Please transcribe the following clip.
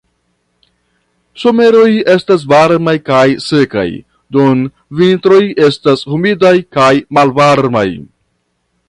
Someroj estas varmaj kaj sekaj, dum vintroj estas humidaj kaj malvarmaj.